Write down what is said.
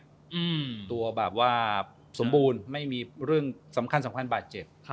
อืมตัวแบบว่าสมบูรณ์ไม่มีเรื่องสำคัญสำคัญบาดเจ็บค่ะ